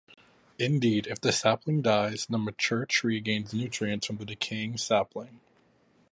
Indeed, if the sapling dies, the mature tree gains nutrients from the decaying sapling.